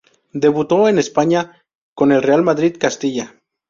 Debutó en España con el Real Madrid Castilla.